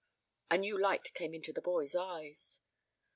A new light came into the boy's eyes.